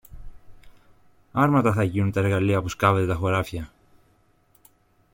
Άρματα θα γίνουν τα εργαλεία που σκάβετε τα χωράφια!